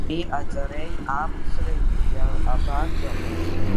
Абри аҵареи амцреи абанӡаҟоу?